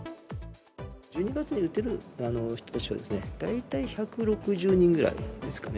１２月に打てる職員は大体１６０人ぐらいですかね。